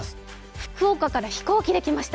福岡から飛行機で来ました。